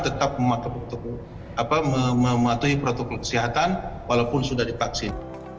tetap mematuhi protokol kesehatan walaupun sudah divaksin